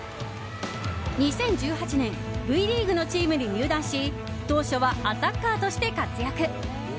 ２０１８年Ｖリーグのチームに入団し当初はアタッカーとして活躍。